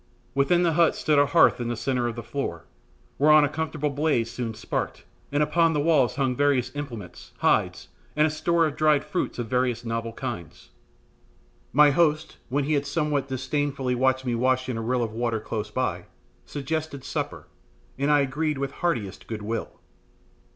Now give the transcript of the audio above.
Within the hut stood a hearth in the centre of the floor, whereon a comfortable blaze soon sparkled, and upon the walls hung various implements, hides, and a store of dried fruits of various novel kinds. My host, when he had somewhat disdainfully watched me wash in a rill of water close by, suggested supper, and I agreed with heartiest good will.